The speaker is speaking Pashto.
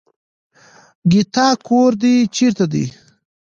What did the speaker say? ګيتا کور دې چېرته دی.